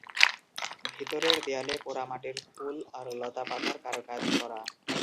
ভিতরের দেয়ালে পোড়ামাটির ফুল আর লতা-পাতার কারুকাজ করা।